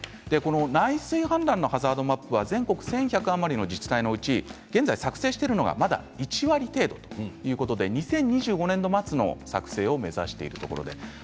内水氾濫のハザードマップは全国１１００余りの自治体のうち現在、作成しているのはまだ１割程度ということで２０２５年末の作成を目指しているということです。